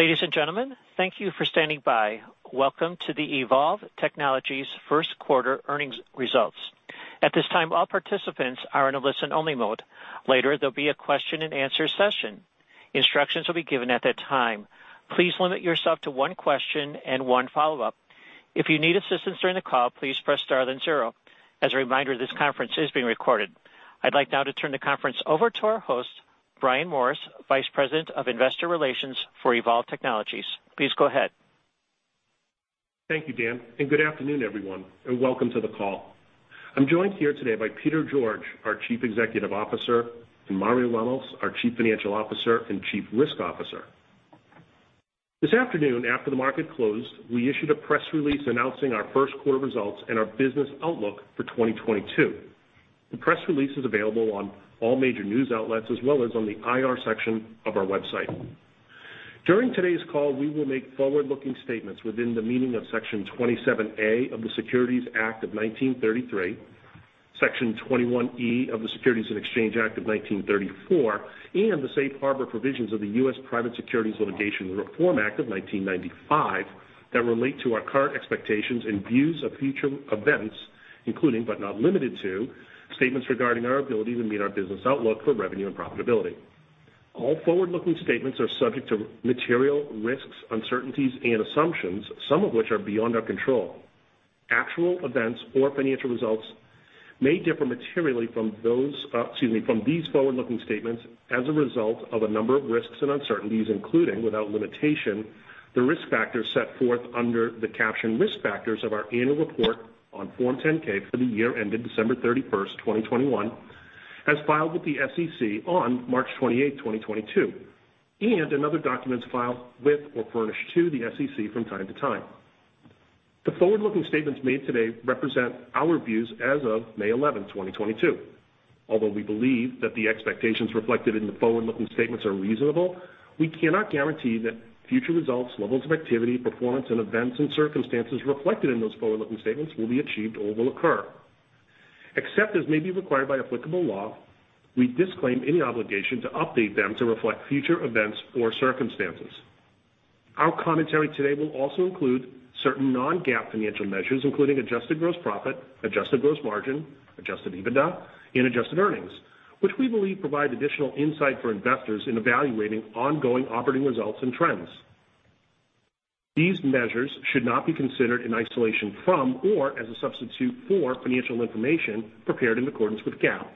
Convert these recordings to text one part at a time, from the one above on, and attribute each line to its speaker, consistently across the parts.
Speaker 1: Ladies and gentlemen, thank you for standing by. Welcome to the Evolv Technologies first quarter earnings results. At this time, all participants are in a listen-only mode. Later, there'll be a question and answer session. Instructions will be given at that time. Please limit yourself to one question and one follow-up. If you need assistance during the call, please press star then zero. As a reminder, this conference is being recorded. I'd like now to turn the conference over to our host, Brian Norris, Vice President of Investor Relations for Evolv Technologies. Please go ahead.
Speaker 2: Thank you, Dan, and good afternoon, everyone, and welcome to the call. I'm joined here today by Peter George, our Chief Executive Officer, and Mario Ramos, our Chief Financial Officer and Chief Risk Officer. This afternoon, after the market closed, we issued a press release announcing our first quarter results and our business outlook for 2022. The press release is available on all major news outlets as well as on the IR section of our website. During today's call, we will make forward-looking statements within the meaning of Section 27A of the Securities Act of 1933, Section 21E of the Securities Exchange Act of 1934, and the safe harbor provisions of the U.S. Private Securities Litigation Reform Act of 1995 that relate to our current expectations and views of future events, including, but not limited to, statements regarding our ability to meet our business outlook for revenue and profitability. All forward-looking statements are subject to material risks, uncertainties and assumptions, some of which are beyond our control. Actual events or financial results may differ materially from these forward-looking statements as a result of a number of risks and uncertainties, including without limitation, the risk factors set forth under the caption Risk Factors of our annual report on Form 10-K for the year ended December 31st, 2021, as filed with the SEC on March 28, 2022, and in other documents filed with or furnished to the SEC from time to time. The forward-looking statements made today represent our views as of May 11, 2022. Although we believe that the expectations reflected in the forward-looking statements are reasonable, we cannot guarantee that future results, levels of activity, performance and events and circumstances reflected in those forward-looking statements will be achieved or will occur. Except as may be required by applicable law, we disclaim any obligation to update them to reflect future events or circumstances. Our commentary today will also include certain non-GAAP financial measures, including adjusted gross profit, adjusted gross margin, adjusted EBITDA, and adjusted earnings, which we believe provide additional insight for investors in evaluating ongoing operating results and trends. These measures should not be considered in isolation from or as a substitute for financial information prepared in accordance with GAAP.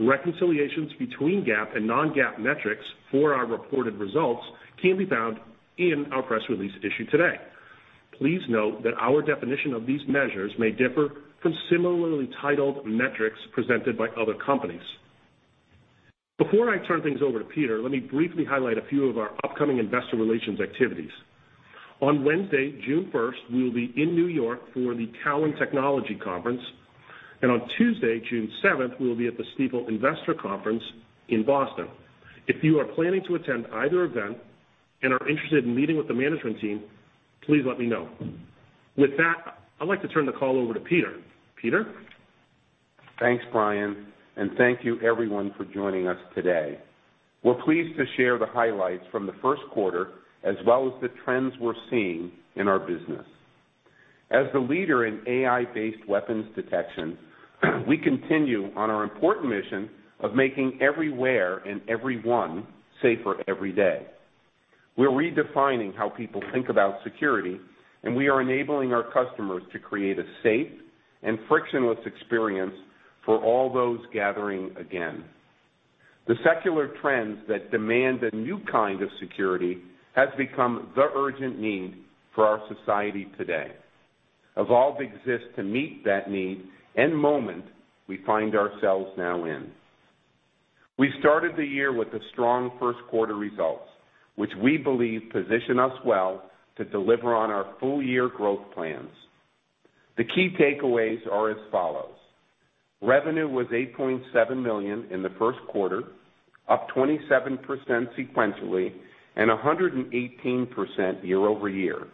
Speaker 2: Reconciliations between GAAP and non-GAAP metrics for our reported results can be found in our press release issued today. Please note that our definition of these measures may differ from similarly titled metrics presented by other companies. Before I turn things over to Peter, let me briefly highlight a few of our upcoming investor relations activities. On Wednesday, June first, we will be in New York for the Cowen Technology Conference, and on Tuesday, June seventh, we will be at the Stifel Investor Conference in Boston. If you are planning to attend either event and are interested in meeting with the management team, please let me know. With that, I'd like to turn the call over to Peter. Peter?
Speaker 3: Thanks, Brian, and thank you everyone for joining us today. We're pleased to share the highlights from the first quarter as well as the trends we're seeing in our business. As the leader in AI-based weapons detection, we continue on our important mission of making everywhere and everyone safer every day. We're redefining how people think about security, and we are enabling our customers to create a safe and frictionless experience for all those gathering again. The secular trends that demand a new kind of security has become the urgent need for our society today. Evolv exists to meet that need and moment we find ourselves now in. We started the year with the strong first quarter results, which we believe position us well to deliver on our full-year growth plans. The key takeaways are as follows: Revenue was $8.7 million in the first quarter, up 27% sequentially and 118% year-over-year,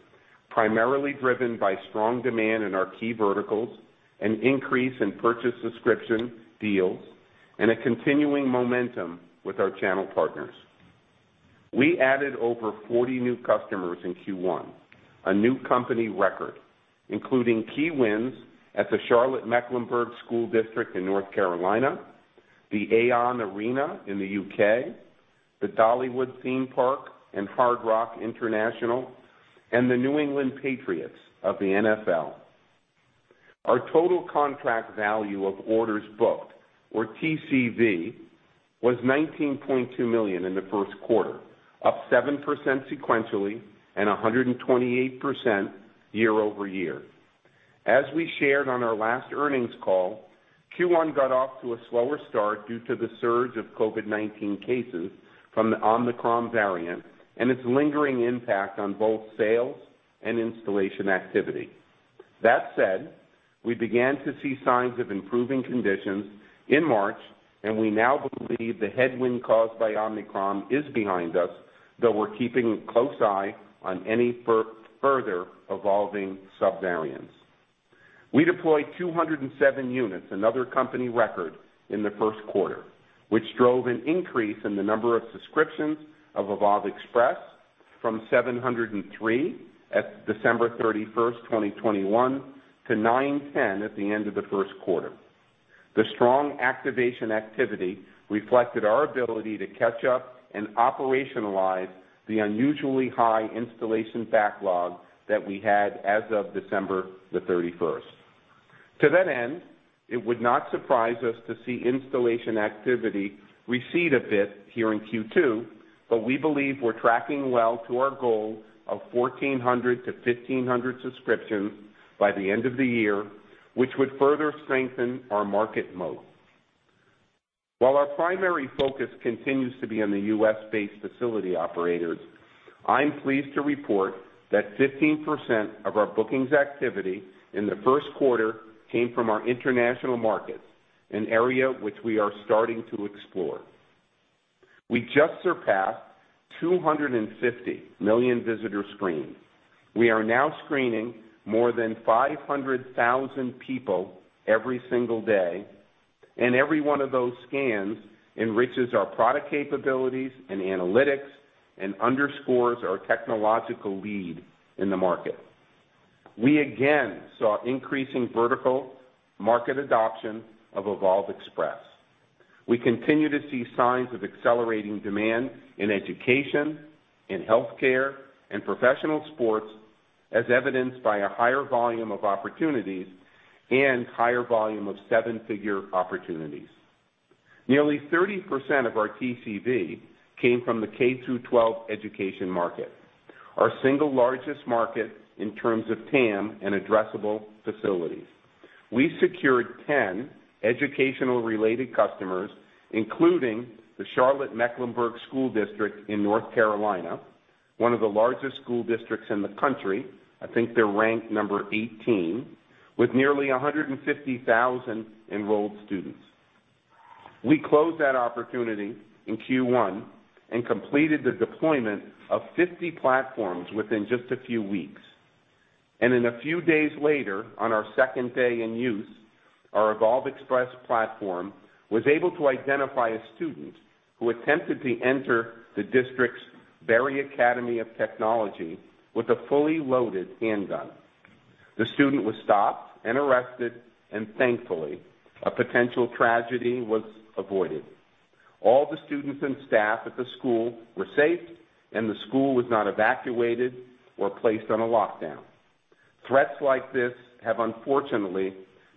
Speaker 3: primarily driven by strong demand in our key verticals, an increase in purchase subscription deals, and a continuing momentum with our channel partners. We added over 40 new customers in Q1, a new company record, including key wins at the Charlotte-Mecklenburg School District in North Carolina, the AO Arena in the U.K., the Dollywood theme park and Hard Rock International, and the New England Patriots of the NFL. Our total contract value of orders booked, or TCV, was $19.2 million in the first quarter, up 7% sequentially and 128% year-over-year. As we shared on our last earnings call, Q1 got off to a slower start due to the surge of COVID-19 cases from the Omicron variant and its lingering impact on both sales and installation activity. That said, we began to see signs of improving conditions in March, and we now believe the headwind caused by Omicron is behind us, though we're keeping a close eye on any further evolving subvariants. We deployed 207 units, another company record in the first quarter, which drove an increase in the number of subscriptions of Evolv Express from 703 at December 31st, 2021 to 910 at the end of the first quarter. The strong activation activity reflected our ability to catch up and operationalize the unusually high installation backlog that we had as of December 31st. To that end, it would not surprise us to see installation activity recede a bit here in Q2, but we believe we're tracking well to our goal of 1,400-1,500 subscriptions by the end of the year, which would further strengthen our market moat. While our primary focus continues to be on the U.S.-based facility operators, I'm pleased to report that 15% of our bookings activity in the first quarter came from our international market, an area which we are starting to explore. We just surpassed 250 million visitors screened. We are now screening more than 500,000 people every single day, and every one of those scans enriches our product capabilities and analytics and underscores our technological lead in the market. We again saw increasing vertical market adoption of Evolv Express. We continue to see signs of accelerating demand in education, in healthcare, and professional sports, as evidenced by a higher volume of opportunities and higher volume of seven-figure opportunities. Nearly 30% of our TCV came from the K-12 education market, our single largest market in terms of TAM and addressable facilities. We secured 10 education-related customers, including the Charlotte-Mecklenburg School District in North Carolina, one of the largest school districts in the country. I think they're ranked number 18 with nearly 150,000 enrolled students. We closed that opportunity in Q1 and completed the deployment of 50 platforms within just a few weeks. A few days later, on our second day in use, our Evolv Express platform was able to identify a student who attempted to enter the district's Phillip O. Berry Academy of Technology with a fully loaded handgun. The student was stopped and arrested, and thankfully, a potential tragedy was avoided. All the students and staff at the school were safe, and the school was not evacuated or placed on a lockdown. Threats like this have unfortunately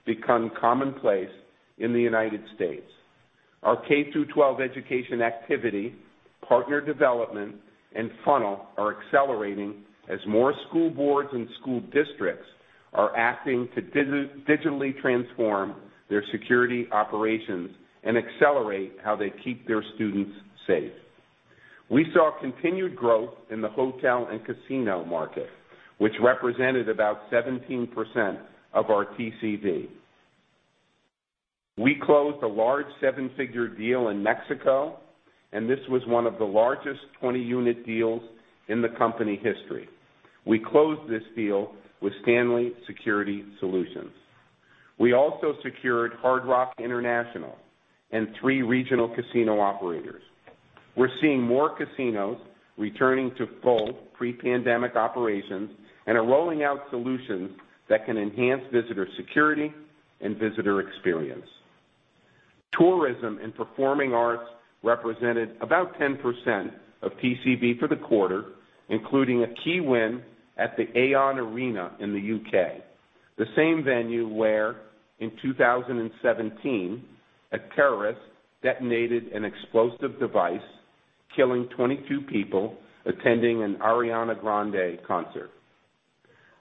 Speaker 3: become commonplace in the United States. Our K-12 education activity, partner development, and funnel are accelerating as more school boards and school districts are acting to digitally transform their security operations and accelerate how they keep their students safe. We saw continued growth in the hotel and casino market, which represented about 17% of our TCV. We closed a large seven-figure deal in Mexico, and this was one of the largest 20-unit deals in the company history. We closed this deal with STANLEY Security. We also secured Hard Rock International and three regional casino operators. We're seeing more casinos returning to full pre-pandemic operations and are rolling out solutions that can enhance visitor security and visitor experience. Tourism and performing arts represented about 10% of TCV for the quarter, including a key win at the AO Arena in the U.K., the same venue where in 2017, a terrorist detonated an explosive device killing 22 people attending an Ariana Grande concert.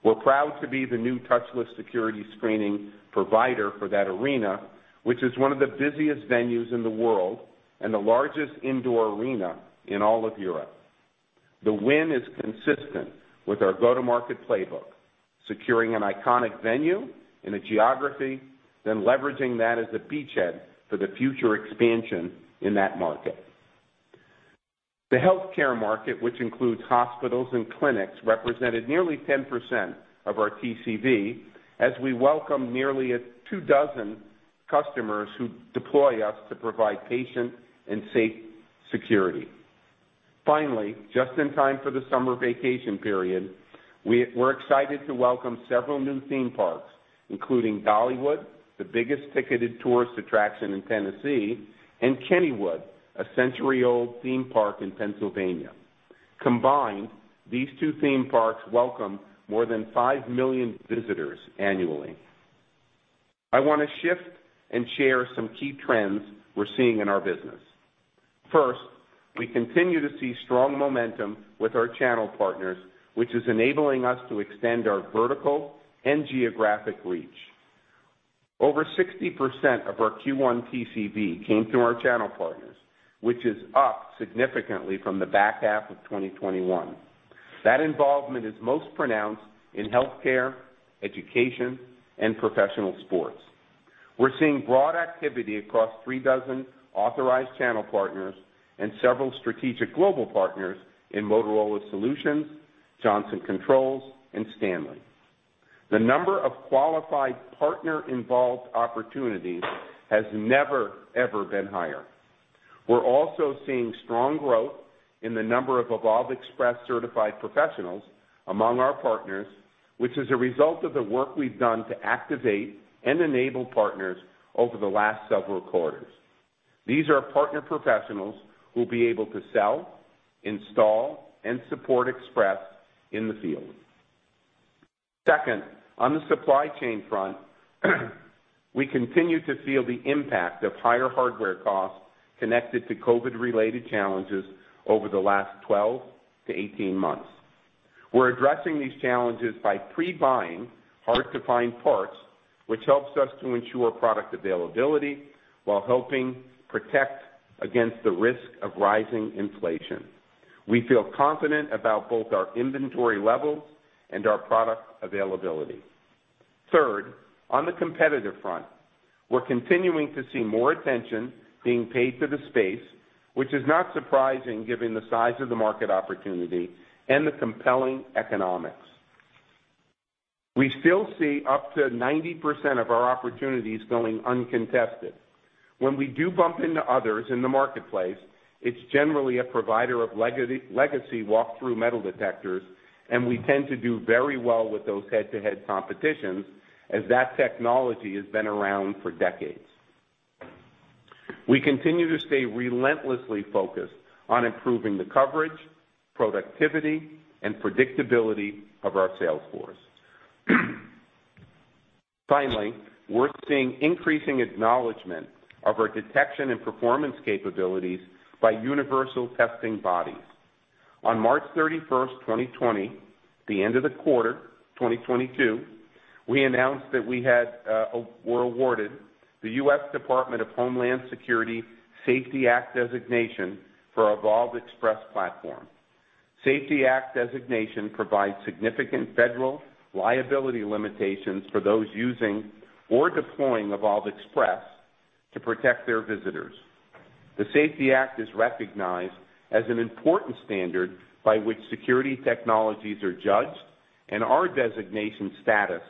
Speaker 3: We're proud to be the new touchless security screening provider for that arena, which is one of the busiest venues in the world and the largest indoor arena in all of Europe. The win is consistent with our go-to-market playbook, securing an iconic venue in a geography, then leveraging that as a beachhead for the future expansion in that market. The healthcare market, which includes hospitals and clinics, represented nearly 10% of our TCV as we welcome nearly two dozen customers who deploy us to provide patient and staff security. Finally, just in time for the summer vacation period, we're excited to welcome several new theme parks, including Dollywood, the biggest ticketed tourist attraction in Tennessee, and Kennywood, a century-old theme park in Pennsylvania. Combined, these two theme parks welcome more than 5 million visitors annually. I want to shift and share some key trends we're seeing in our business. First, we continue to see strong momentum with our channel partners, which is enabling us to extend our vertical and geographic reach. Over 60% of our Q1 TCV came through our channel partners, which is up significantly from the back half of 2021. That involvement is most pronounced in healthcare, education, and professional sports. We're seeing broad activity across three dozen authorized channel partners and several strategic global partners in Motorola Solutions, Johnson Controls, and Stanley. The number of qualified partner-involved opportunities has never, ever been higher. We're also seeing strong growth in the number of Evolv Express certified professionals among our partners, which is a result of the work we've done to activate and enable partners over the last several quarters. These are partner professionals who will be able to sell, install, and support Express in the field. Second, on the supply chain front, we continue to feel the impact of higher hardware costs connected to COVID-related challenges over the last 12-18 months. We're addressing these challenges by pre-buying hard-to-find parts, which helps us to ensure product availability while helping protect against the risk of rising inflation. We feel confident about both our inventory levels and our product availability. Third, on the competitive front, we're continuing to see more attention being paid to the space, which is not surprising given the size of the market opportunity and the compelling economics. We still see up to 90% of our opportunities going uncontested. When we do bump into others in the marketplace, it's generally a provider of legacy walk-through metal detectors, and we tend to do very well with those head-to-head competitions as that technology has been around for decades. We continue to stay relentlessly focused on improving the coverage, productivity, and predictability of our sales force. Finally, we're seeing increasing acknowledgment of our detection and performance capabilities by universal testing bodies. On March 31st, 2022, the end of the quarter, we announced that we were awarded the U.S. Department of Homeland Security SAFETY Act designation for Evolv Express platform. SAFETY Act designation provides significant federal liability limitations for those using or deploying Evolv Express to protect their visitors. The SAFETY Act is recognized as an important standard by which security technologies are judged, and our designation status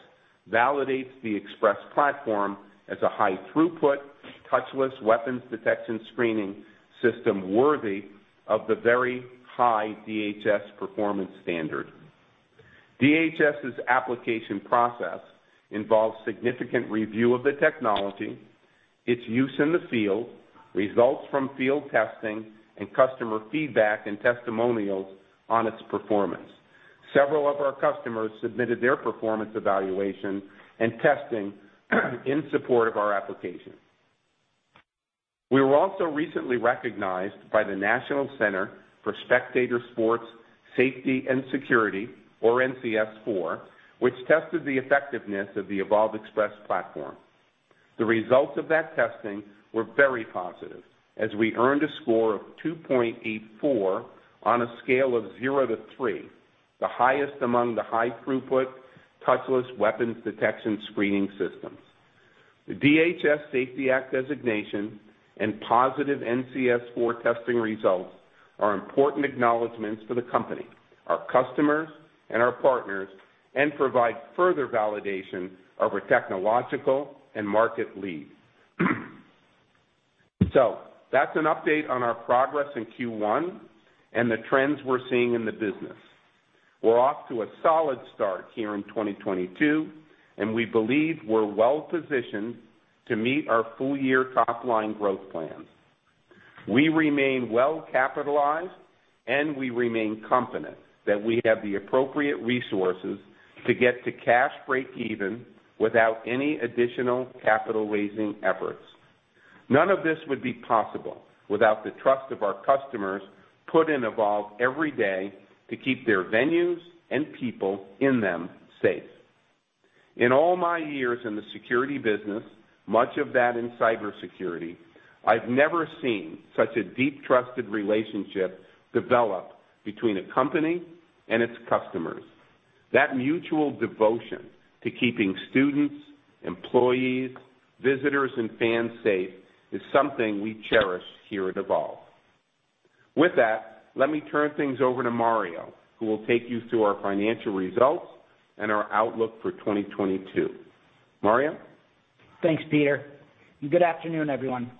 Speaker 3: validates the Express platform as a high throughput, touchless weapons detection screening system worthy of the very high DHS performance standard. DHS's application process involves significant review of the technology, its use in the field, results from field testing, and customer feedback and testimonials on its performance. Several of our customers submitted their performance evaluation and testing in support of our application. We were also recently recognized by the National Center for Spectator Sports Safety and Security, or NCS4, which tested the effectiveness of the Evolv Express platform. The results of that testing were very positive as we earned a score of 2.84 on a scale of zero to three, the highest among the high throughput, touchless weapons detection screening systems. The DHS SAFETY Act designation and positive NCS4 testing results are important acknowledgments for the company, our customers, and our partners, and provide further validation of our technological and market lead. That's an update on our progress in Q1 and the trends we're seeing in the business. We're off to a solid start here in 2022, and we believe we're well positioned to meet our full year top line growth plans. We remain well capitalized and we remain confident that we have the appropriate resources to get to cash break even without any additional capital raising efforts. None of this would be possible without the trust of our customers put in Evolv every day to keep their venues and people in them safe. In all my years in the security business, much of that in cybersecurity, I've never seen such a deep, trusted relationship develop between a company and its customers. That mutual devotion to keeping students, employees, visitors and fans safe is something we cherish here at Evolv. With that, let me turn things over to Mario, who will take you through our financial results and our outlook for 2022. Mario?
Speaker 4: Thanks, Peter, and good afternoon, everyone.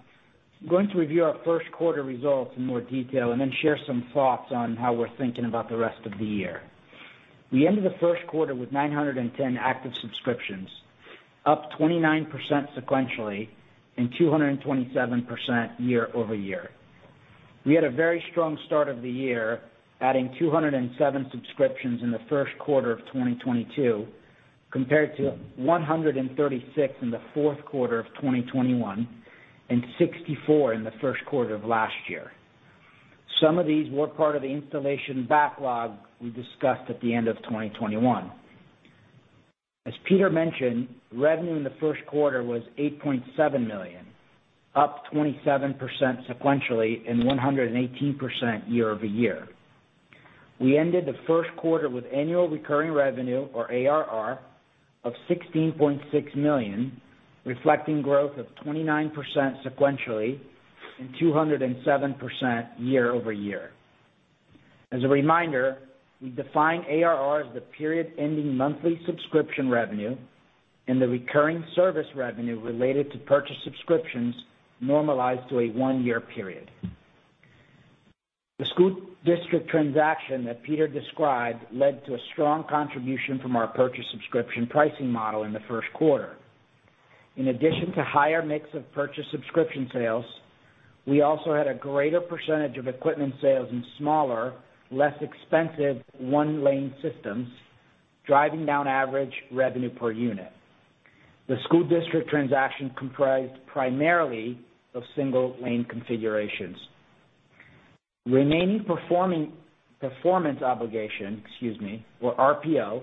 Speaker 4: I'm going to review our first quarter results in more detail and then share some thoughts on how we're thinking about the rest of the year. We ended the first quarter with 910 active subscriptions, up 29% sequentially and 227% year over year. We had a very strong start of the year, adding 207 subscriptions in the first quarter of 2022, compared to 136 in the fourth quarter of 2021 and 64 in the first quarter of last year. Some of these were part of the installation backlog we discussed at the end of 2021. As Peter mentioned, revenue in the first quarter was $8.7 million, up 27% sequentially and 118% year-over-year. We ended the first quarter with annual recurring revenue or ARR of $16.6 million, reflecting growth of 29% sequentially and 207% year-over-year. As a reminder, we define ARR as the period ending monthly subscription revenue and the recurring service revenue related to purchase subscriptions normalized to a one-year period. The school district transaction that Peter described led to a strong contribution from our purchase subscription pricing model in the first quarter. In addition to higher mix of purchase subscription sales, we also had a greater percentage of equipment sales in smaller, less expensive one lane systems, driving down average revenue per unit. The school district transaction comprised primarily of single lane configurations. Performance obligation, excuse me, or RPO,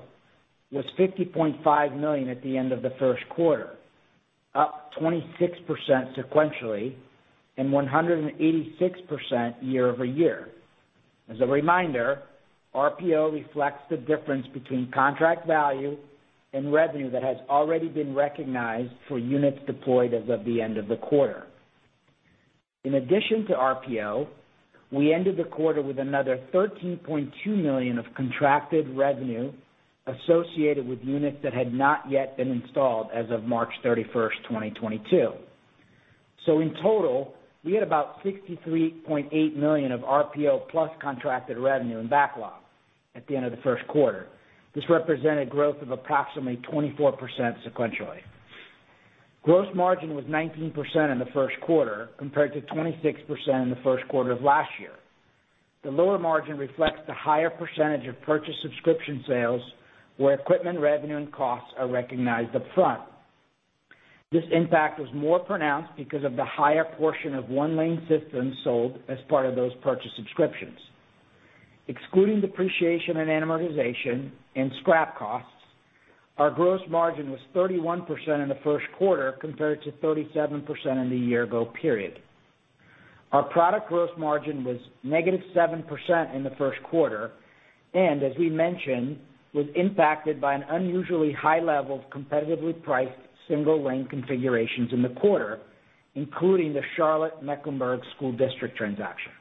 Speaker 4: was $50.5 million at the end of the first quarter, up 26% sequentially and 186% year-over-year. As a reminder, RPO reflects the difference between contract value and revenue that has already been recognized for units deployed as of the end of the quarter. In addition to RPO, we ended the quarter with another $13.2 million of contracted revenue associated with units that had not yet been installed as of March 31st, 2022. In total, we had about $63.8 million of RPO plus contracted revenue and backlog at the end of the first quarter. This represented growth of approximately 24% sequentially. Gross margin was 19% in the first quarter compared to 26% in the first quarter of last year. The lower margin reflects the higher percentage of purchase subscription sales, where equipment revenue and costs are recognized upfront. This impact was more pronounced because of the higher portion of one lane systems sold as part of those purchase subscriptions. Excluding depreciation and amortization and scrap costs, our gross margin was 31% in the first quarter compared to 37% in the year ago period. Our product gross margin was -7% in the first quarter, and as we mentioned, was impacted by an unusually high level of competitively priced single lane configurations in the quarter, including the Charlotte-Mecklenburg School District transaction.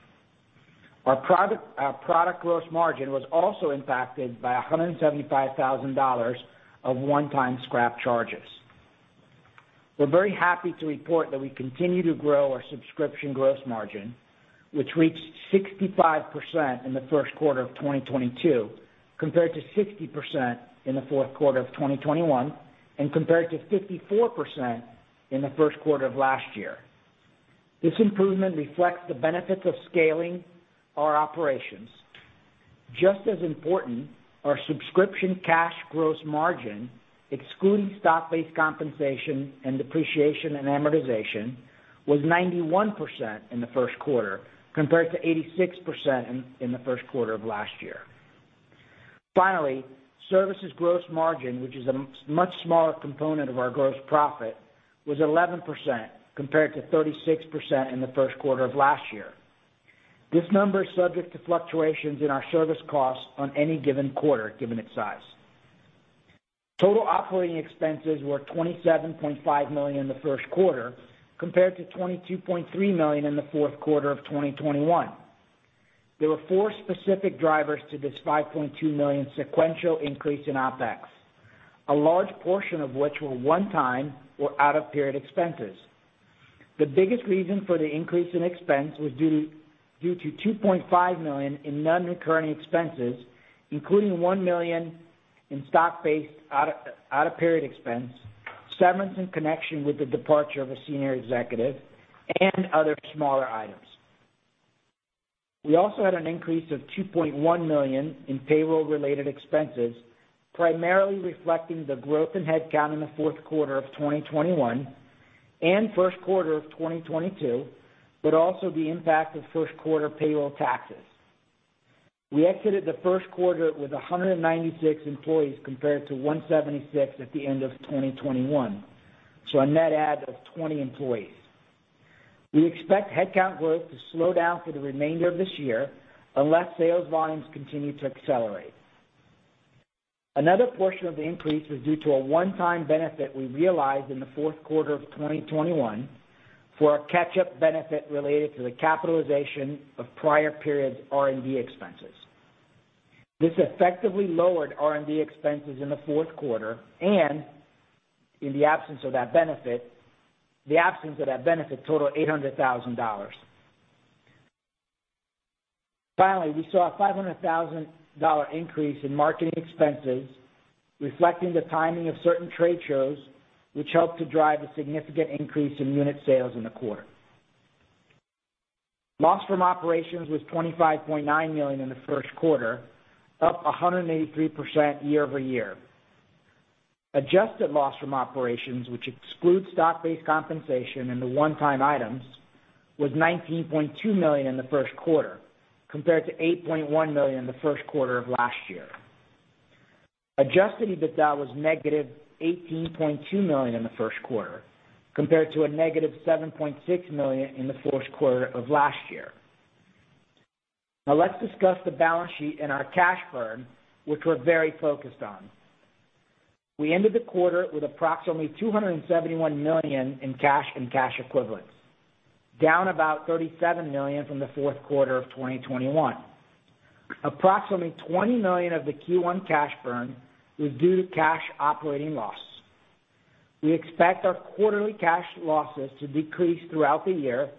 Speaker 4: Our product gross margin was also impacted by $175,000 of one-time scrap charges. We're very happy to report that we continue to grow our subscription gross margin, which reached 65% in the first quarter of 2022, compared to 60% in the fourth quarter of 2021, and compared to 54% in the first quarter of last year. This improvement reflects the benefits of scaling our operations. Just as important, our subscription cash gross margin, excluding stock-based compensation and depreciation and amortization, was 91% in the first quarter, compared to 86% in the first quarter of last year. Finally, services gross margin, which is a much smaller component of our gross profit, was 11% compared to 36% in the first quarter of last year. This number is subject to fluctuations in our service costs on any given quarter, given its size. Total operating expenses were $27.5 million in the first quarter, compared to $22.3 million in the fourth quarter of 2021. There were four specific drivers to this $5.2 million sequential increase in OpEx, a large portion of which were one-time or out-of-period expenses. The biggest reason for the increase in expense was due to $2.5 million in non-recurring expenses, including $1 million in stock-based out of period expense, severance in connection with the departure of a senior executive, and other smaller items. We also had an increase of $2.1 million in payroll-related expenses, primarily reflecting the growth in headcount in the fourth quarter of 2021 and first quarter of 2022, but also the impact of first quarter payroll taxes. We exited the first quarter with 196 employees compared to 176 at the end of 2021. A net add of 20 employees. We expect headcount growth to slow down for the remainder of this year, unless sales volumes continue to accelerate. Another portion of the increase was due to a one-time benefit we realized in the fourth quarter of 2021 for a catch-up benefit related to the capitalization of prior periods R&D expenses. This effectively lowered R&D expenses in the fourth quarter and in the absence of that benefit total $800,000. Finally, we saw a $500,000 increase in marketing expenses, reflecting the timing of certain trade shows, which helped to drive a significant increase in unit sales in the quarter. Loss from operations was $25.9 million in the first quarter, up 183% year-over-year. Adjusted loss from operations, which excludes stock-based compensation and the one-time items, was $19.2 million in the first quarter, compared to $8.1 million in the first quarter of last year. Adjusted EBITDA was negative $18.2 million in the first quarter, compared to a negative $7.6 million in the fourth quarter of last year. Now let's discuss the balance sheet and our cash burn, which we're very focused on. We ended the quarter with approximately $271 million in cash and cash equivalents, down about $37 million from the fourth quarter of 2021. Approximately $20 million of the Q1 cash burn was due to cash operating loss. We expect our quarterly cash losses to decrease throughout the year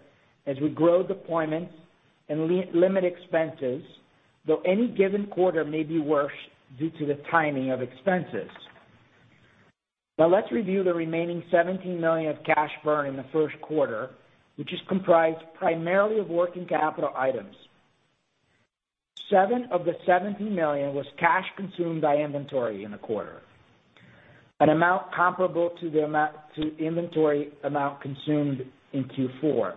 Speaker 4: as we grow deployments and limit expenses, though any given quarter may be worse due to the timing of expenses. Now let's review the remaining $17 million of cash burn in the first quarter, which is comprised primarily of working capital items. Seven of the $17 million was cash consumed by inventory in the quarter, an amount comparable to the amount of inventory consumed in Q4.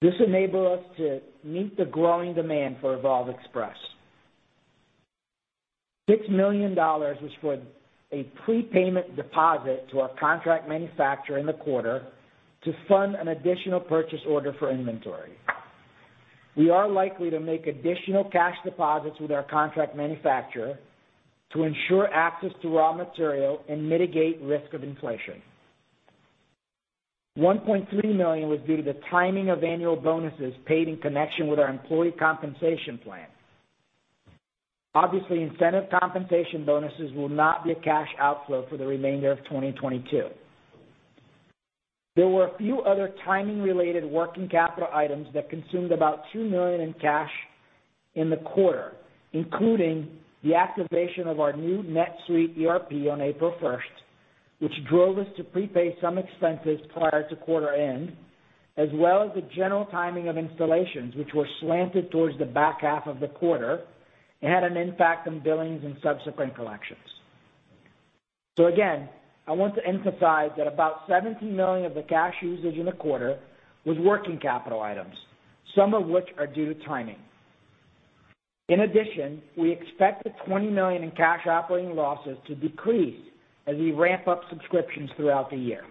Speaker 4: This enabled us to meet the growing demand for Evolv Express. $6 million was for a prepayment deposit to our contract manufacturer in the quarter to fund an additional purchase order for inventory. We are likely to make additional cash deposits with our contract manufacturer to ensure access to raw material and mitigate risk of inflation. $1.3 million was due to the timing of annual bonuses paid in connection with our employee compensation plan. Obviously, incentive compensation bonuses will not be a cash outflow for the remainder of 2022. There were a few other timing-related working capital items that consumed about $2 million in cash in the quarter, including the activation of our new NetSuite ERP on April first, which drove us to prepay some expenses prior to quarter end, as well as the general timing of installations, which were slanted towards the back half of the quarter and had an impact on billings and subsequent collections. Again, I want to emphasize that about $17 million of the cash usage in the quarter was working capital items, some of which are due to timing. In addition, we expect the $20 million in cash operating losses to decrease as we ramp up subscriptions throughout the year.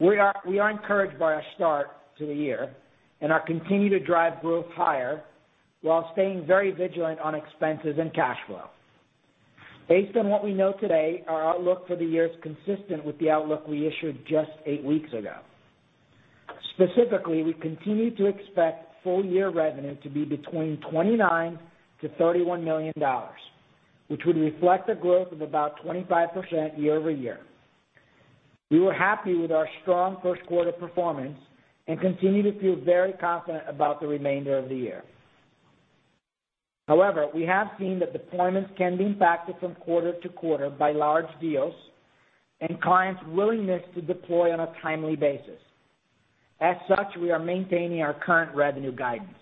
Speaker 4: We are encouraged by our start to the year and are continuing to drive growth higher while staying very vigilant on expenses and cash flow. Based on what we know today, our outlook for the year is consistent with the outlook we issued just eight weeks ago. Specifically, we continue to expect full-year revenue to be between $29 million-$31 million, which would reflect a growth of about 25% year-over-year. We were happy with our strong first quarter performance and continue to feel very confident about the remainder of the year. However, we have seen that deployments can be impacted from quarter to quarter by large deals and clients' willingness to deploy on a timely basis. As such, we are maintaining our current revenue guidance.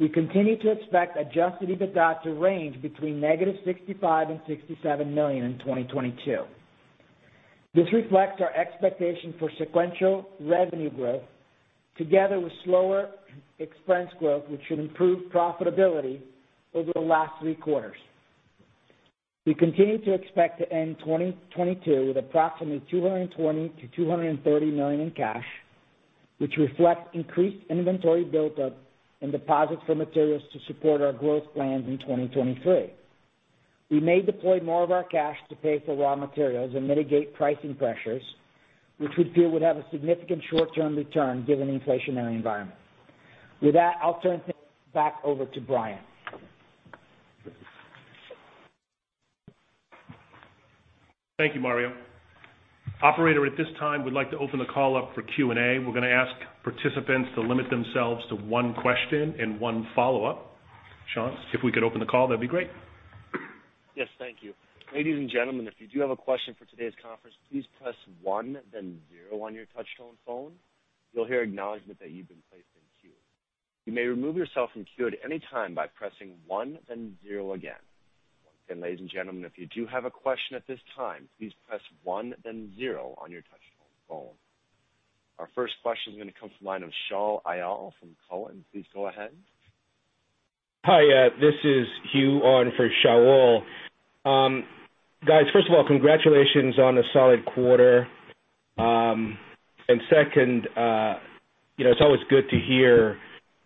Speaker 4: We continue to expect adjusted EBITDA to range between -$65 million and -$67 million in 2022. This reflects our expectation for sequential revenue growth together with slower expense growth, which should improve profitability over the last three quarters. We continue to expect to end 2022 with approximately $220 million-$230 million in cash, which reflects increased inventory buildup and deposits for materials to support our growth plans in 2023. We may deploy more of our cash to pay for raw materials and mitigate pricing pressures, which we feel would have a significant short-term return given the inflationary environment. With that, I'll turn things back over to Brian.
Speaker 2: Thank you, Mario. Operator, at this time, we'd like to open the call up for Q&A. We're gonna ask participants to limit themselves to one question and one follow-up. Sean, if we could open the call, that'd be great.
Speaker 1: Yes, thank you. Ladies and gentlemen, if you do have a question for today's conference, please press one then zero on your touch-tone phone. You'll hear acknowledgment that you've been placed in queue. You may remove yourself from queue at any time by pressing one then zero again. Ladies and gentlemen, if you do have a question at this time, please press one then zero on your touch-tone phone. Our first question is gonna come from the line of Shaul Eyal from Cowen. Please go ahead.
Speaker 5: Hi, this is Hugh on for Shaul. Guys, first of all, congratulations on a solid quarter. Second, you know, it's always good to hear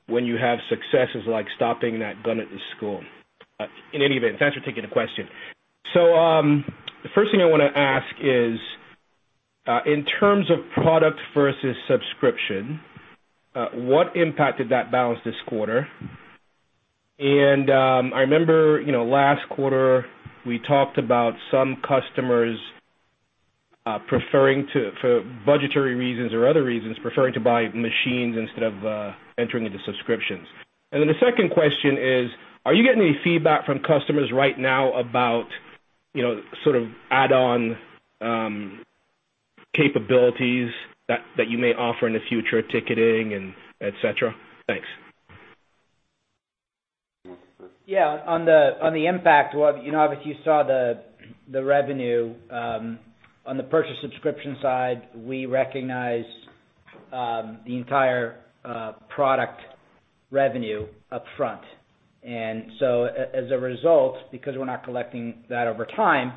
Speaker 5: when you have successes like stopping that gunman at the school. In any event, thanks for taking the question. The first thing I wanna ask is, in terms of product versus subscription, what impact did that balance this quarter? I remember, you know, last quarter, we talked about some customers preferring to, for budgetary reasons or other reasons, preferring to buy machines instead of entering into subscriptions. The second question is, are you getting any feedback from customers right now about, you know, sort of add-on capabilities that you may offer in the future, ticketing and et cetera? Thanks.
Speaker 4: Yeah. On the impact, well, you know, obviously you saw the revenue on the purchase subscription side, we recognize- The entire product revenue upfront. As a result, because we're not collecting that over time,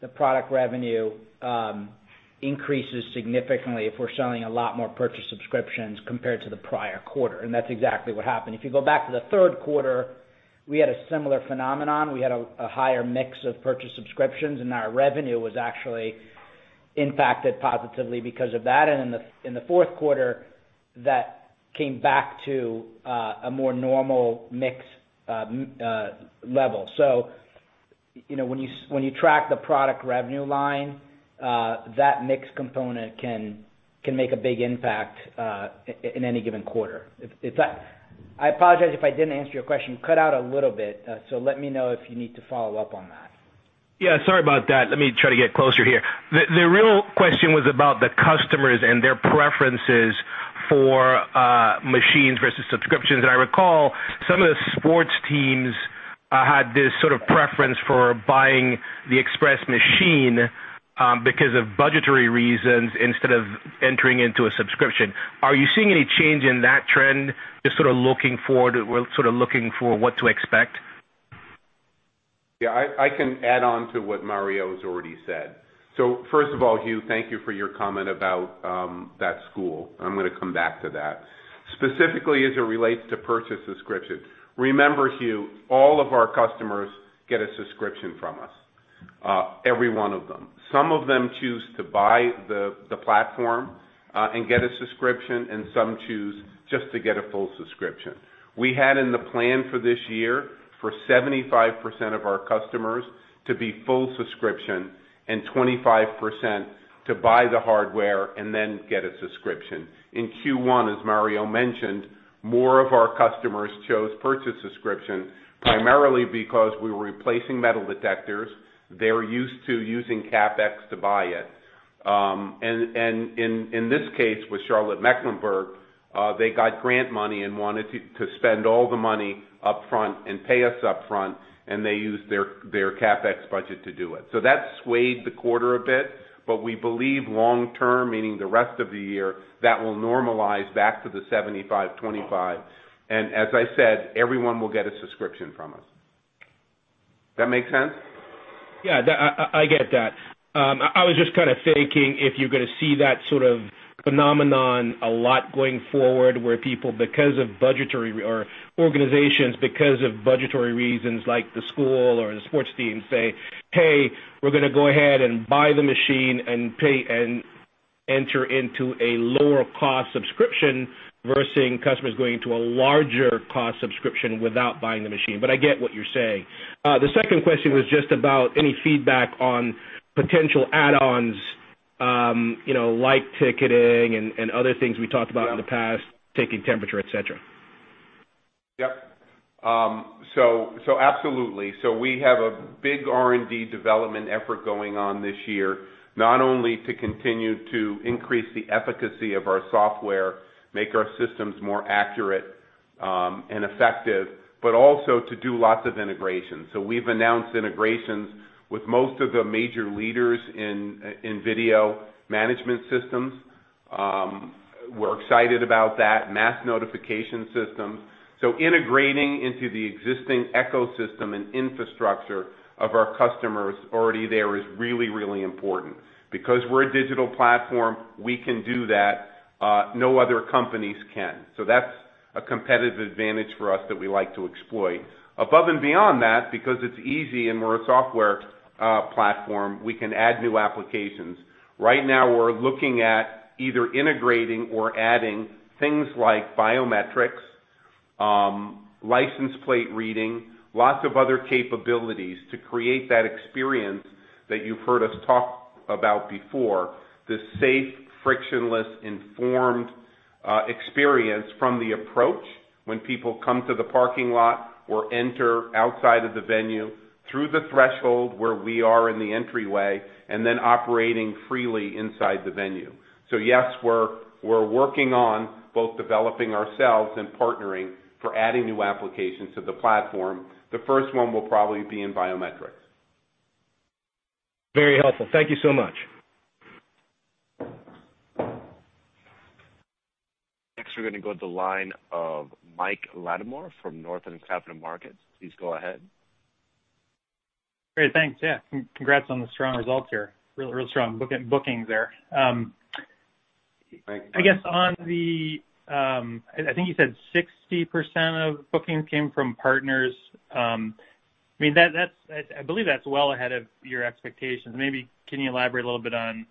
Speaker 4: the product revenue increases significantly if we're selling a lot more purchase subscriptions compared to the prior quarter, and that's exactly what happened. If you go back to the third quarter, we had a similar phenomenon. We had a higher mix of purchase subscriptions, and our revenue was actually impacted positively because of that. In the fourth quarter, that came back to a more normal mix level. You know, when you track the product revenue line, that mix component can make a big impact in any given quarter. If that, I apologize if I didn't answer your question. Cut out a little bit, so let me know if you need to follow up on that.
Speaker 5: Yeah, sorry about that. Let me try to get closer here. The real question was about the customers and their preferences for machines versus subscriptions. I recall some of the sports teams had this sort of preference for buying the Express machine because of budgetary reasons instead of entering into a subscription. Are you seeing any change in that trend, just sort of looking forward, well, sort of looking for what to expect?
Speaker 3: Yeah, I can add on to what Mario's already said. First of all, Hugh, thank you for your comment about that school. I'm gonna come back to that. Specifically as it relates to purchase subscription, remember, Hugh, all of our customers get a subscription from us, every one of them. Some of them choose to buy the platform and get a subscription, and some choose just to get a full subscription. We had in the plan for this year for 75% of our customers to be full subscription and 25% to buy the hardware and then get a subscription. In Q1, as Mario mentioned, more of our customers chose purchase subscription primarily because we were replacing metal detectors. They're used to using CapEx to buy it. In this case, with Charlotte Mecklenburg, they got grant money and wanted to spend all the money upfront and pay us upfront, and they used their CapEx budget to do it. That swayed the quarter a bit, but we believe long term, meaning the rest of the year, that will normalize back to the 75/25. As I said, everyone will get a subscription from us. That make sense?
Speaker 5: Yeah. I get that. I was just kinda thinking if you're gonna see that sort of phenomenon a lot going forward, where people or organizations because of budgetary reasons like the school or the sports team say, "Hey, we're gonna go ahead and buy the machine and pay and enter into a lower cost subscription," versus customers going to a larger cost subscription without buying the machine, but I get what you're saying. The second question was just about any feedback on potential add-ons, you know, like ticketing and other things we talked about in the past, taking temperature, et cetera.
Speaker 3: Yep. So absolutely. We have a big R&D development effort going on this year, not only to continue to increase the efficacy of our software, make our systems more accurate, and effective, but also to do lots of integration. We've announced integrations with most of the major leaders in video management systems. We're excited about that mass notification system. Integrating into the existing ecosystem and infrastructure of our customers already there is really, really important. Because we're a digital platform, we can do that, no other companies can. That's a competitive advantage for us that we like to exploit. Above and beyond that, because it's easy and we're a software platform, we can add new applications. Right now we're looking at either integrating or adding things like biometrics, license plate reading, lots of other capabilities to create that experience that you've heard us talk about before, the safe, frictionless, informed, experience from the approach when people come to the parking lot or enter outside of the venue through the threshold where we are in the entryway, and then operating freely inside the venue. Yes, we're working on both developing ourselves and partnering for adding new applications to the platform. The first one will probably be in biometrics.
Speaker 5: Very helpful. Thank you so much.
Speaker 1: Next, we're gonna go to the line of Mike Latimore from Northland Capital Markets. Please go ahead.
Speaker 6: Great. Thanks. Yeah. Congrats on the strong results here. Real strong bookings there.
Speaker 3: Thank you.
Speaker 6: I think you said 60% of bookings came from partners. I mean, that's well ahead of your expectations. Maybe can you elaborate a little bit on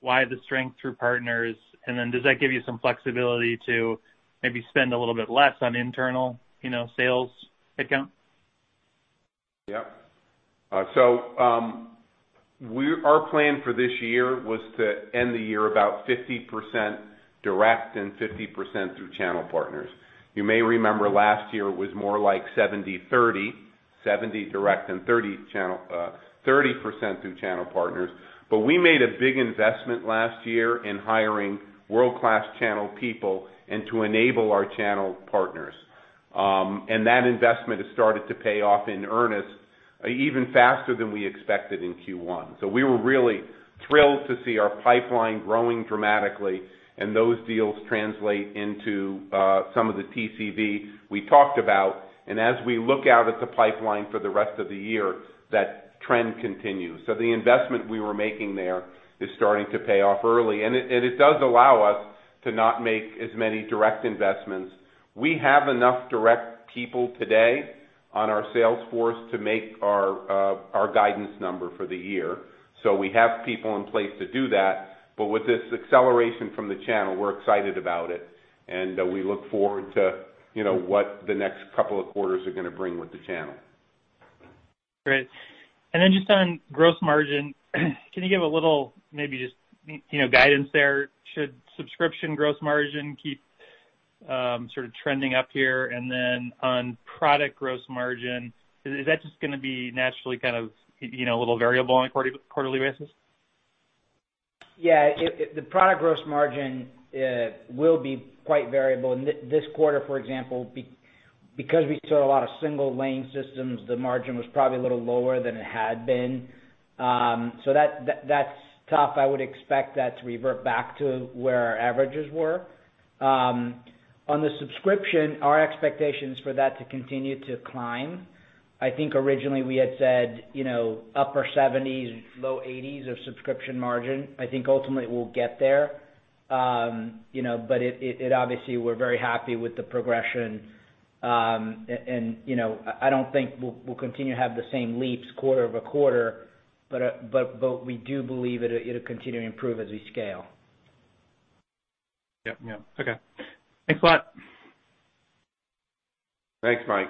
Speaker 6: why the strength through partners, and then does that give you some flexibility to maybe spend a little bit less on internal, you know, sales headcount?
Speaker 3: Our plan for this year was to end the year about 50% direct and 50% through channel partners. You may remember last year was more like 70/30, 70 direct and 30 channel, 30% through channel partners. We made a big investment last year in hiring world-class channel people and to enable our channel partners. That investment has started to pay off in earnest even faster than we expected in Q1. We were really thrilled to see our pipeline growing dramatically and those deals translate into some of the TCV we talked about. As we look out at the pipeline for the rest of the year, that trend continues. The investment we were making there is starting to pay off early, and it does allow us to not make as many direct investments. We have enough direct people today on our sales force to make our guidance number for the year. We have people in place to do that. With this acceleration from the channel, we're excited about it, and we look forward to, you know, what the next couple of quarters are gonna bring with the channel.
Speaker 6: Great. Just on gross margin, can you give a little, maybe just, you know, guidance there? Should subscription gross margin keep sort of trending up here? On product gross margin, is that just gonna be naturally kind of, you know, a little variable on a quarterly basis?
Speaker 4: Yeah. It, the product gross margin, will be quite variable. This quarter, for example, because we sold a lot of single lane systems, the margin was probably a little lower than it had been. That's tough. I would expect that to revert back to where our averages were. On the subscription, our expectations for that to continue to climb. I think originally we had said, you know, upper 70s%-low 80s% subscription margin. I think ultimately we'll get there. You know, obviously we're very happy with the progression. You know, I don't think we'll continue to have the same leaps quarter-over-quarter, but we do believe it'll continue to improve as we scale.
Speaker 6: Yep. Yep. Okay. Thanks a lot.
Speaker 3: Thanks, Mike.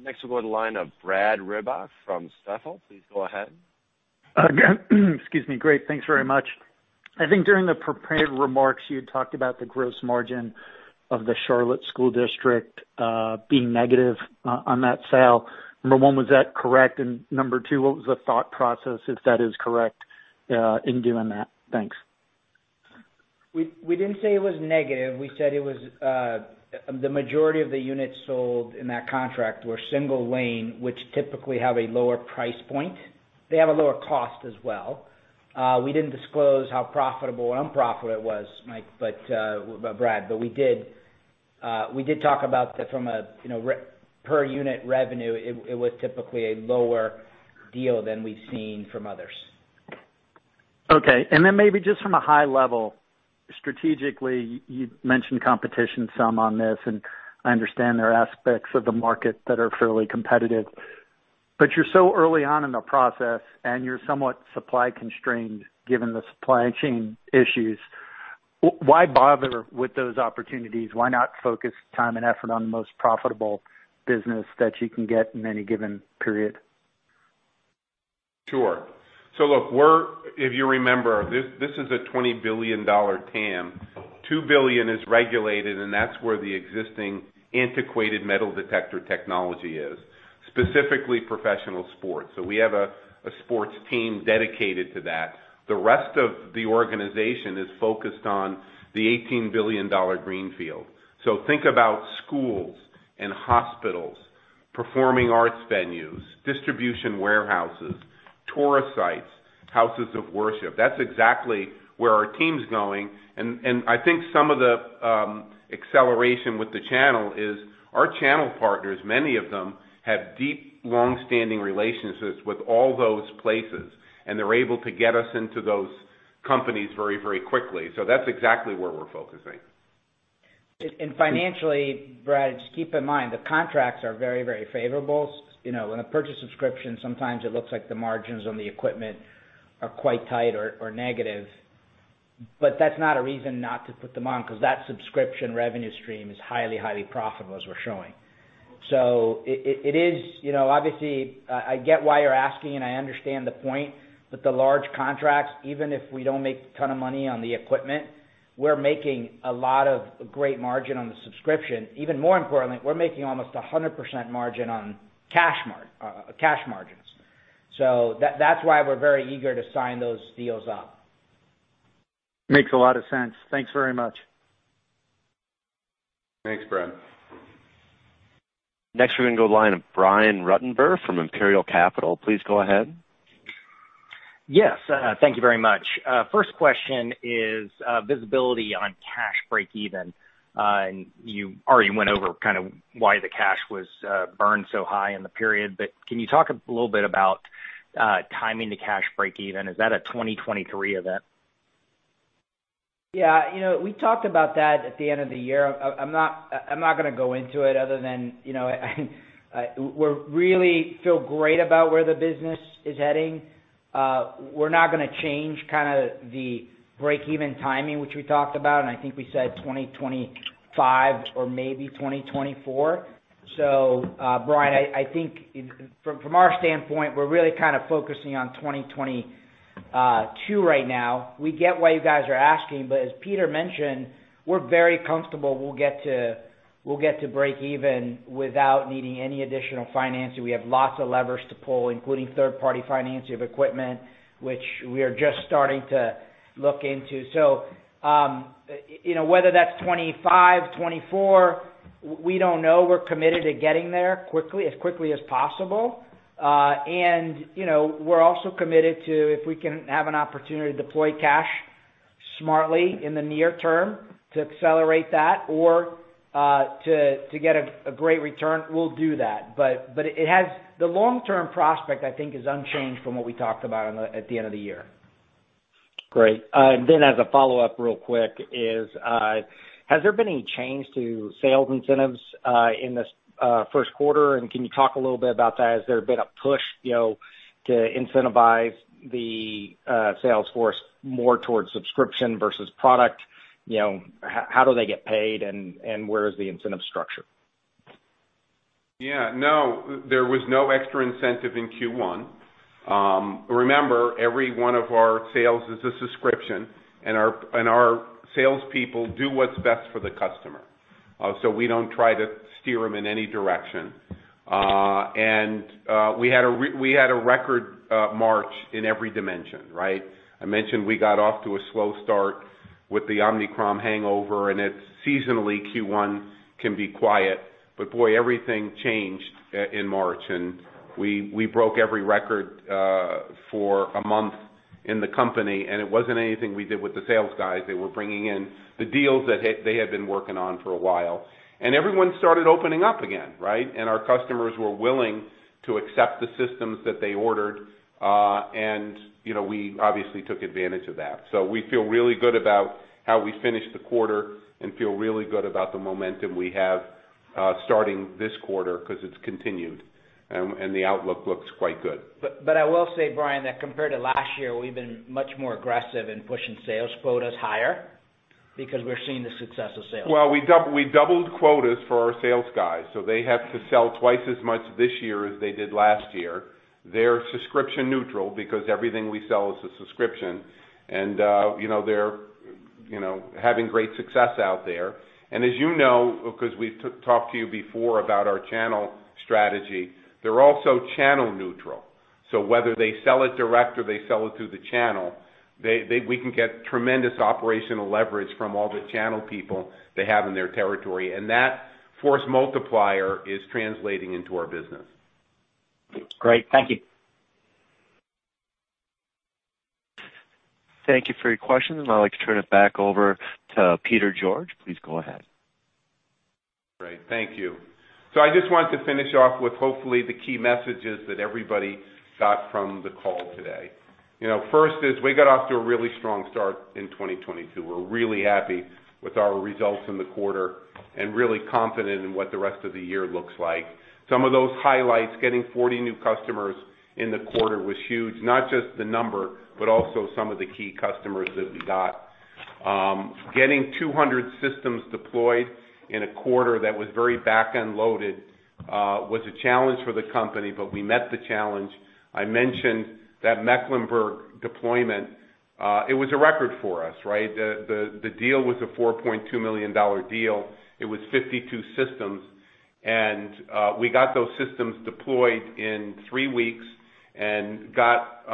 Speaker 1: Next we'll go to the line of Brad Reback from Stifel. Please go ahead.
Speaker 7: Excuse me. Great. Thanks very much. I think during the prepared remarks, you had talked about the gross margin of the Charlotte School District being negative on that sale. Number one, was that correct? Number two, what was the thought process, if that is correct, in doing that? Thanks.
Speaker 4: We didn't say it was negative. We said it was the majority of the units sold in that contract were single lane, which typically have a lower price point. They have a lower cost as well. We didn't disclose how profitable or unprofitable it was, Mike, but Brad, but we did talk about from a, you know, per unit revenue, it was typically a lower deal than we've seen from others.
Speaker 7: Okay. Maybe just from a high level, strategically, you mentioned competition some on this, and I understand there are aspects of the market that are fairly competitive. You're so early on in the process and you're somewhat supply constrained given the supply chain issues. Why bother with those opportunities? Why not focus time and effort on the most profitable business that you can get in any given period?
Speaker 3: Sure. Look, if you remember, this is a $20 billion TAM. $2 billion is regulated, and that's where the existing antiquated metal detector technology is, specifically professional sports. We have a sports team dedicated to that. The rest of the organization is focused on the $18 billion greenfield. Think about schools and hospitals, performing arts venues, distribution warehouses, tourist sites, houses of worship. That's exactly where our team's going. And I think some of the acceleration with the channel is our channel partners, many of them have deep, long-standing relationships with all those places, and they're able to get us into those companies very, very quickly. That's exactly where we're focusing.
Speaker 4: Financially, Brad, just keep in mind, the contracts are very, very favorable. You know, when you purchase a subscription, sometimes it looks like the margins on the equipment are quite tight or negative. That's not a reason not to put them on, because that subscription revenue stream is highly profitable, as we're showing. It is, you know, obviously I get why you're asking, and I understand the point. The large contracts, even if we don't make a ton of money on the equipment, we're making a lot of great margin on the subscription. Even more importantly, we're making almost 100% margin on SaaS margins. That's why we're very eager to sign those deals up.
Speaker 7: Makes a lot of sense. Thanks very much.
Speaker 3: Thanks, Brad.
Speaker 1: Next, we're gonna go to the line of Brian Ruttenbur from Imperial Capital. Please go ahead.
Speaker 8: Yes. Thank you very much. First question is visibility on cash break even. You already went over kind of why the cash was burned so high in the period. Can you talk a little bit about timing the cash break even? Is that a 2023 event?
Speaker 4: Yeah. You know, we talked about that at the end of the year. I'm not gonna go into it other than, you know, we really feel great about where the business is heading. We're not gonna change kinda the break even timing, which we talked about, and I think we said 2025 or maybe 2024. Brian, I think from our standpoint, we're really kind of focusing on 2022 right now. We get why you guys are asking, but as Peter mentioned, we're very comfortable we'll get to break even without needing any additional financing. We have lots of levers to pull, including third-party financing of equipment, which we are just starting to look into. You know, whether that's 2025, 2024. We don't know. We're committed to getting there quickly, as quickly as possible. you know, we're also committed to if we can have an opportunity to deploy cash smartly in the near term to accelerate that or to get a great return, we'll do that. The long-term prospect, I think, is unchanged from what we talked about at the end of the year.
Speaker 8: Great. Then as a follow-up real quick, has there been any change to sales incentives in this first quarter? Can you talk a little bit about that? Has there been a push, you know, to incentivize the sales force more towards subscription versus product? You know, how do they get paid and where is the incentive structure?
Speaker 3: Yeah, no, there was no extra incentive in Q1. Remember, every one of our sales is a subscription, and our salespeople do what's best for the customer. So we don't try to steer them in any direction. We had a record March in every dimension, right? I mentioned we got off to a slow start with the Omicron hangover, and it's seasonally, Q1 can be quiet. Boy, everything changed in March, and we broke every record for a month in the company. It wasn't anything we did with the sales guys. They were bringing in the deals they had been working on for a while. Everyone started opening up again, right? Our customers were willing to accept the systems that they ordered, and, you know, we obviously took advantage of that. We feel really good about how we finished the quarter and feel really good about the momentum we have starting this quarter 'cause it's continued, and the outlook looks quite good.
Speaker 4: I will say, Brian, that compared to last year, we've been much more aggressive in pushing sales quotas higher because we're seeing the success of sales.
Speaker 3: Well, we doubled quotas for our sales guys, so they have to sell twice as much this year as they did last year. They're subscription neutral because everything we sell is a subscription, and you know, they're you know, having great success out there. As you know, because we've talked to you before about our channel strategy, they're also channel neutral. Whether they sell it direct or they sell it through the channel, we can get tremendous operational leverage from all the channel people they have in their territory. That force multiplier is translating into our business.
Speaker 8: Great. Thank you.
Speaker 1: Thank you for your questions. I'd like to turn it back over to Peter George. Please go ahead.
Speaker 3: Great. Thank you. I just wanted to finish off with hopefully the key messages that everybody got from the call today. You know, first is we got off to a really strong start in 2022. We're really happy with our results in the quarter and really confident in what the rest of the year looks like. Some of those highlights, getting 40 new customers in the quarter was huge. Not just the number, but also some of the key customers that we got. Getting 200 systems deployed in a quarter that was very back-end loaded was a challenge for the company, but we met the challenge. I mentioned that Mecklenburg deployment, it was a record for us, right? The deal was a $4.2 million deal. It was 52 systems. We got those systems deployed in three weeks and got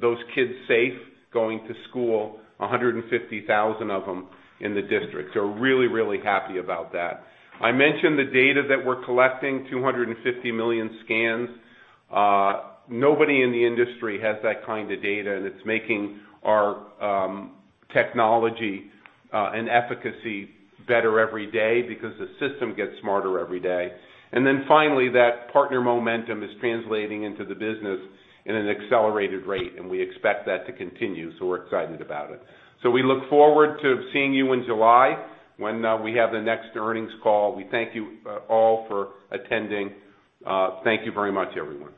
Speaker 3: those kids safe going to school, 150,000 of them in the district. Really happy about that. I mentioned the data that we're collecting, 250 million scans. Nobody in the industry has that kind of data, and it's making our technology and efficacy better every day because the system gets smarter every day. Finally, that partner momentum is translating into the business in an accelerated rate, and we expect that to continue. We're excited about it. We look forward to seeing you in July when we have the next earnings call. We thank you all for attending. Thank you very much, everyone.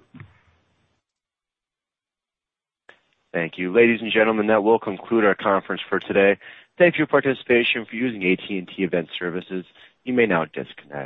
Speaker 1: Thank you. Ladies and gentlemen, that will conclude our conference for today. Thank you for your participation for using AT&T Event Services. You may now disconnect.